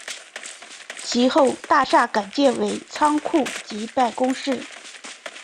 其后大厦改建为仓库及办公室。